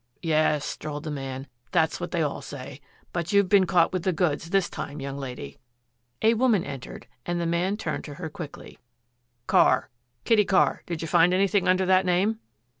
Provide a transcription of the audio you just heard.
"Yes," drawled the man, "that's what they all say. But you've been caught with the goods, this time, young lady." A woman entered, and the man turned to her quickly. "Carr Kitty Carr. Did you find anything under that name?"